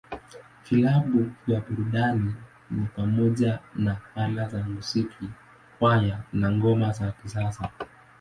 Vilabu vya burudani ni pamoja na Ala za Muziki, Kwaya, na Ngoma ya Kisasa.